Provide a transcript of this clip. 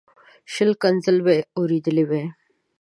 شل ښکنځل به یې اورېدلي وای.